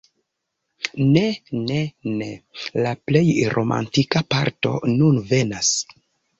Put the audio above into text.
Ne, ne, ne! La plej romantika parto nun venas!